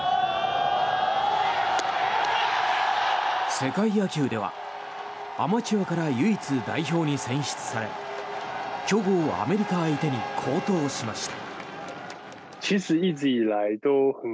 世界野球ではアマチュアから唯一、代表に選出され強豪・アメリカ相手に好投しました。